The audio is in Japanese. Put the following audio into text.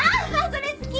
それ好き。